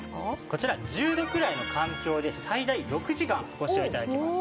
こちら１０度くらいの環境で最大６時間ご使用頂けます。